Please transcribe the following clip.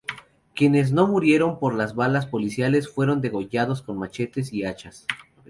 Quienes no murieron por las balas policiales, fueron degollados con machetes y hachas.